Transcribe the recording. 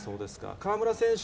河村選手？